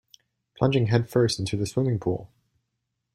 Plunging headfirst into the swimming pool.